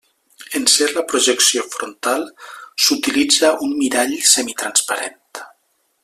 En ser la projecció frontal, s’utilitza un mirall semitransparent.